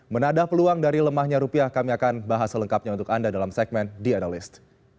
menadah peluang dari lemahnya rupiah kami akan bahas selengkapnya untuk anda dalam segmen the analyst